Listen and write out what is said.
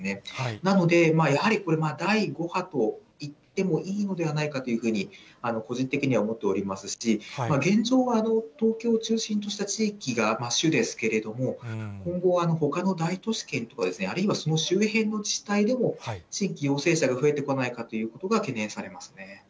なので、やはりこれ、第５波と言ってもいいのではないかというふうに、個人的には思っておりますし、現状は東京を中心とした地域が主ですけれども、今後はほかの大都市圏とか、あるいは、その周辺の自治体でも、新規陽性者が増えてこないかということが懸念されますね。